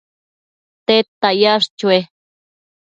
tedta yash chue?